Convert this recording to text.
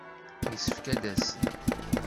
Yessefk ad d-asen.